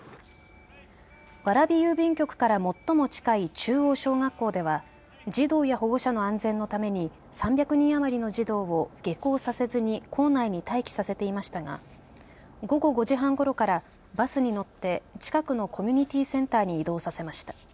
蕨郵便局から最も近い中央小学校では児童や保護者の安全のために３００人余りの児童を下校させずに校内に待機させていましたが午後５時半ごろからバスに乗って近くのコミュニティーセンターに移動させました。